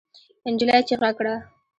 نجلۍ چیغه کړه.